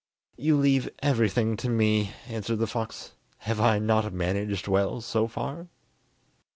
"You leave everything to me," answered the fox; "have I not managed well so far?"